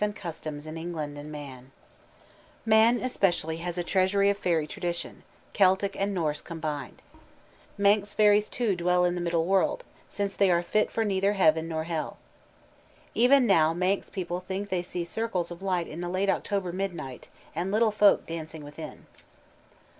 CHAPTER IX IN ENGLAND AND MAN Man especially has a treasury of fairy tradition, Celtic and Norse combined. Manx fairies too dwell in the middle world, since they are fit for neither heaven nor hell. Even now Manx people think they see circles of light in the late October midnight, and little folk dancing within.